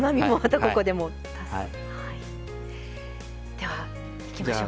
ではいきましょうか。